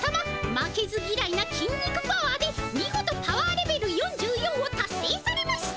負けずぎらいなきん肉パワーでみごとパワーレベル４４をたっせいされました。